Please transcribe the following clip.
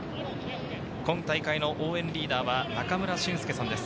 今大会の応援リーダーは中村俊輔さんです。